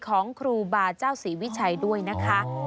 ของครูบาเจ้าศรีวิชัยด้วยนะคะ